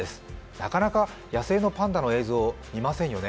なかなか野生のパンダの映像見ませんよね。